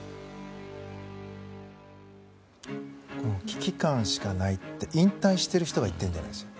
危機感しかないと引退している人が言ってるんじゃないんですよ。